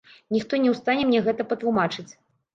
Ніхто не ў стане мне гэта патлумачыць.